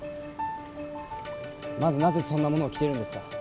まずなぜそんなものを着てるんですか？